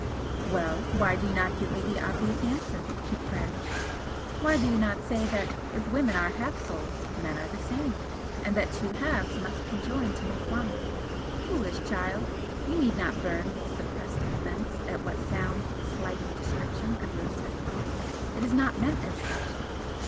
"Well, why do you not give me the obvious answer?" he queried "Why do you not say that if women are half souls, men are the same, and that the two halves must conjoin to make one? Foolish child! you need not burn with suppressed offence at what sounds a slighting description of your sex it is not meant as such.